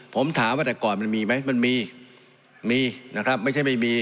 ผมถามว่าแต่ก่อนมันมีไหมมันมีมีนะครับไม่ใช่ไม่มี